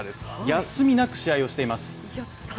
休みなく試合をしています。